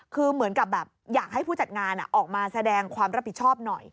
คือเหมือนกับแบบอยากให้ผู้จัดงานออกมาแสดงความรับผิดชอบหน่อย